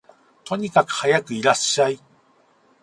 とにかくはやくいらっしゃい